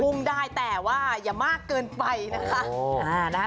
ได้แต่ว่าอย่ามากเกินไปนะคะ